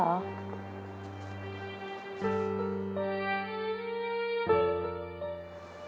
น้องโชคครับ